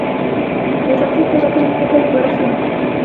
ګوښه توب کله کله د فکر لپاره ښه وي.